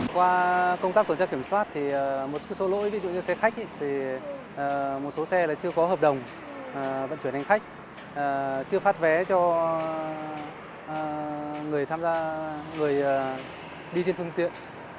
qua công tác của trang kiểm soát thì một số lỗi ví dụ như xe khách một số xe chưa có hợp đồng vẫn chuyển thành khách chưa phát vé cho người đi trên phương tiện